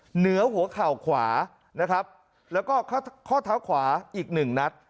เหนือหัวเข่าขวานะครับแล้วก็ข้อเท้าขวาอีกหนึ่งนัด